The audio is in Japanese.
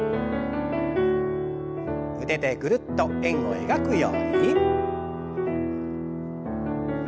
腕でぐるっと円を描くように。